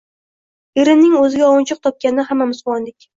Erimning oʻziga ovunchoq topganidan hammamiz quvondik